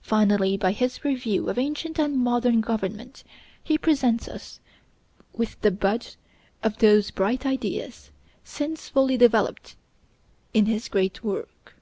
Finally, by his review of ancient and modern government, he presents us with the bud of those bright ideas since fully developed in his great work.